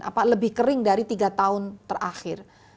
apa lebih kering dari tiga tahun terakhir